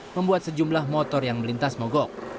membuat sejumlah motor yang melintas mogok